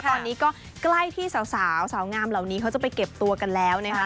ตอนนี้ก็ใกล้ที่สาวสาวงามเหล่านี้เขาจะไปเก็บตัวกันแล้วนะคะ